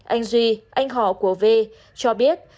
anh duy anh họ của vê cho biết